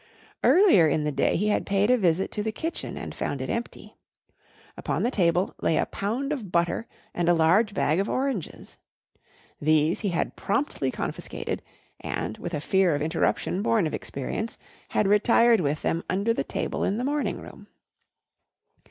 Earlier in the day he had paid a visit to the kitchen and found it empty. Upon the table lay a pound of butter and a large bag of oranges. These he had promptly confiscated and, with a fear of interruption born of experience, he had retired with them under the table in the morning room.